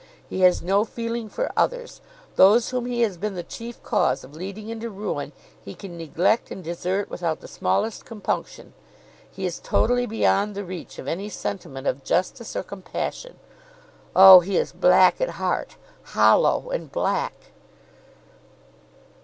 He has no feeling for others. Those whom he has been the chief cause of leading into ruin, he can neglect and desert without the smallest compunction. He is totally beyond the reach of any sentiment of justice or compassion. Oh! he is black at heart, hollow and black!"